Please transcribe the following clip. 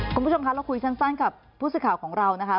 คุณผู้ชมคะเราคุยสั้นกับผู้สื่อข่าวของเรานะคะ